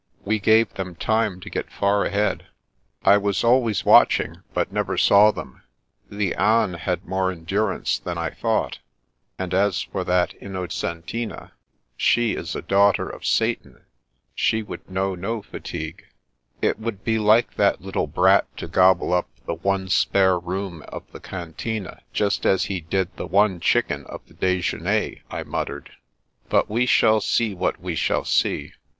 We gave them time to get far ahead. I was always watching, but never saw them. The anes had more endurance zia The Scraping of Acquaintance 113 than I thought, and as for that Innocentina, she is a daughter of Satan; she would know no fa tigue." " It wQuld be like that little brat to gobble up the one spare room of the Cantine as he did the one chicken of the ' Dejeiiner/ " I muttered. " But we shall see what we shall see."